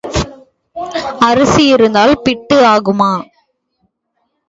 அரிசி இருந்தால் பிட்டு ஆகுமா?